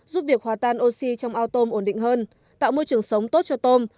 giúp việc hòa tan oxy trong ao tôm ổn định hơn tạo môi trường sống tốt cho tôm